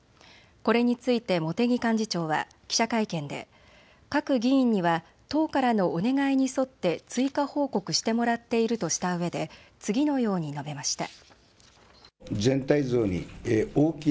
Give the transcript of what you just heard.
これについて茂木幹事長は記者会見で各議員には党からのお願いに沿って追加報告してもらっているとしたうえで次のように述べました。